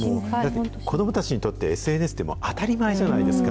子どもたちにとって、ＳＮＳって当たり前じゃないですか。